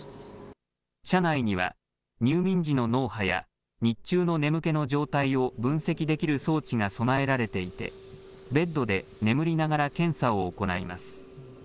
車内には入眠時の脳波や日中の眠気の状態を分析できる装置が備えられていてベッドで眠りながら検査を行います。